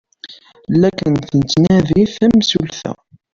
La k-tettnadi temsulta.